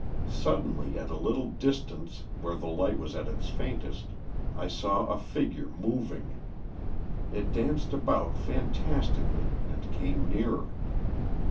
Suddenly, at a little distance, where the light was at its faintest, I saw a figure moving. It danced about fantastically and came nearer.